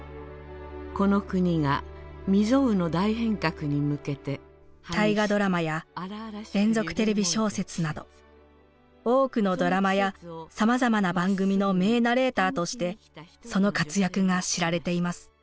この国が未曽有の大変革に向けて「大河ドラマ」や「連続テレビ小説」など多くのドラマやさまざまな番組の名ナレーターとしてその活躍が知られています。